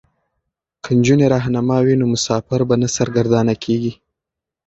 که نجونې رهنما وي نو مسافر به نه سرګردانه کیږي.